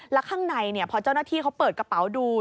แล้วข้างในพอเจ้าหน้าที่เขาเปิดกระเป๋าดู